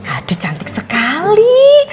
aduh cantik sekali